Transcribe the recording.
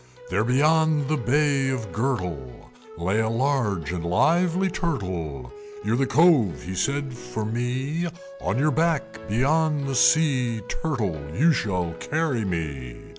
There, beyond the Bay of Gurtle, Lay a large and lively Turtle. "You're the Cove," he said, "for me; On your back beyond the sea, Turtle, you shall carry me!"